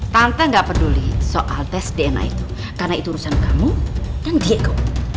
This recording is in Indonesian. tante nggak peduli soal tes dna itu karena itu urusan kamu dan diego